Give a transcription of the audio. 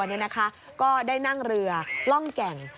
เนี่ยนะคะก็ได้นั่งเรือร่องแก่ง